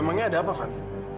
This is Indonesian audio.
memangnya ada apa van